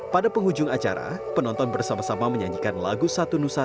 pada penghujung acara penonton bersama sama menyanyikan lagu satu nusa